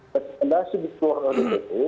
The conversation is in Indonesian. pertandaan sebetulnya itu